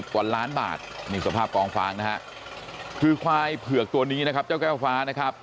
กว่าล้านบาทนี่สภาพกองฟ้างนะฮะคือควายเผือกตัวนี้นะครับเจ้าแก้วฟ้านะครับ